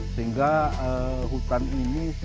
sehingga hutan ini